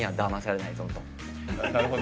なるほど。